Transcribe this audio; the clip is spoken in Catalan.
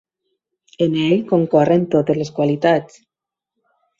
En ell concorren totes les qualitats.